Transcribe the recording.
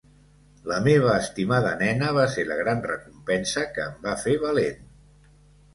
La meva estimada nena va ser la gran recompensa que em va fer valent.